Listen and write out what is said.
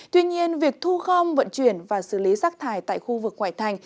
tuy nhiên việc thu gom vận chuyển và xử lý rác thải tại khu vực ngoại thành